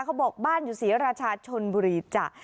เขาบอกบ้านอยู่ศรีราชาชนบุรีจ้ะ